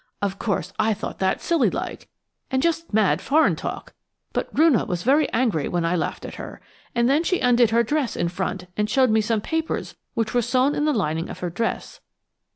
Of course, I thought that silly like, and just mad, foreign talk, but Roonah was very angry when I laughed at her, and then she undid her dress in front, and showed me some papers which were sown in the lining of her dress.